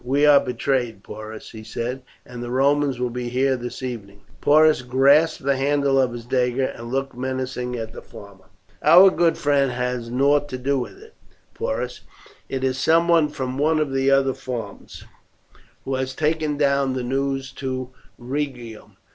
"We are betrayed, Porus," he said, "and the Romans will be here this evening." Porus grasped the handle of his dagger and looked menacingly at the farmer. "Our good friend has nought to do with it, Porus; it is some one from one of the other farms who has taken down the news to Rhegium.